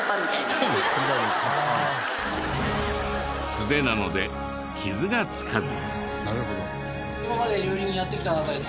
素手なので傷がつかず。